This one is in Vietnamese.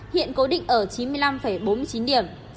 hiện cố định ở chín mươi năm bốn mươi chín điểm